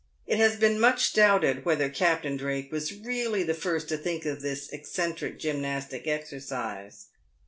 It has been much doubted whether Captain Drake was really the first to think of this eccentric gymnastic exercise.